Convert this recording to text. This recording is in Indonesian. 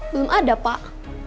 belum ada pak